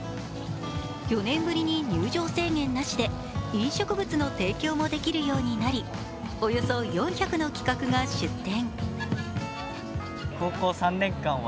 ４年ぶりに入場制限なしで飲食物の提供もできるようになりおよそ４００の企画が出展。